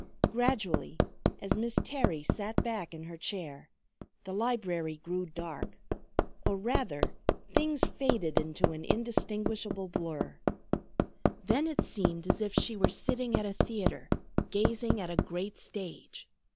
Gradually, as Miss Terry sat back in her chair, the library grew dark; or rather, things faded into an indistinguishable blur. Then it seemed as if she were sitting at a theatre gazing at a great stage.